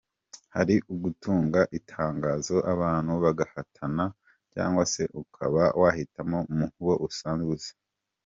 Hari ugutanga itangazo abantu bagahatana cyangwa se ukaba wahitamo mu bo usanzwe uzi”.